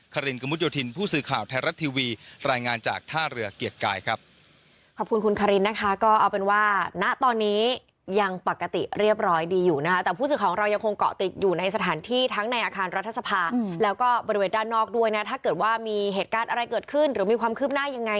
คารินกะมุดยศิลป์ผู้สึกข่าวไทยรัฐทีวีรายงานจากท่าเรือเกียรติกายครับ